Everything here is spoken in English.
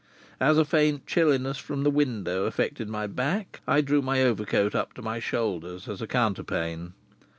As a faint chilliness from the window affected my back I drew my overcoat up to my shoulders as a counterpane.